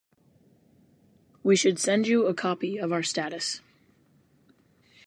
We should send you a copy of our status.